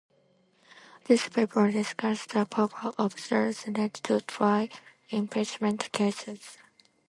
This paper discusses the power of the Senate to try impeachment cases.